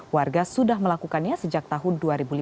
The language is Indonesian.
warga sudah melakukannya sejak tahun dua ribu lima belas